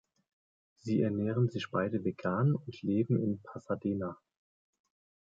Sie ernähren sich beide vegan und leben in Pasadena.